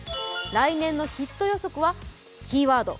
来年のヒット予測はキーワード